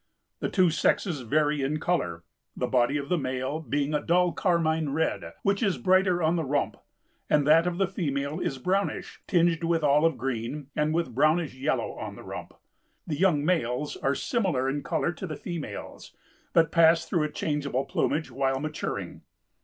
The two sexes vary in color, the body of the male being a dull carmine red, which is brighter on the rump, and that of the female is brownish, tinged with olive green and with brownish yellow on the rump. The young males are similar in color to the females, but pass through a changeable plumage while maturing.